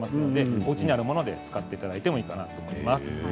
おうちにあるものを使っていただいていいと思います。